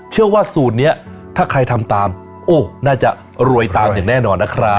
เชื่อว่าสูตรนี้ถ้าใครทำตามโอ้น่าจะรวยตามอย่างแน่นอนนะครับ